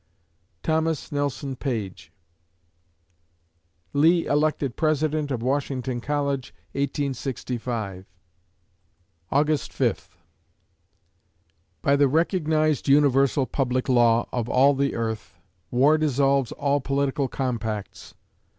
THOMAS NELSON PAGE Lee elected President of Washington College, 1865 August Fifth By the recognized universal public law of all the earth, war dissolves all political compacts.